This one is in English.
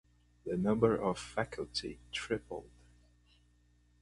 The number of faculty tripled.